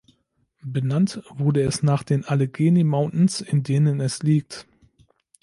Benannt wurde es nach den Allegheny Mountains in denen es liegt.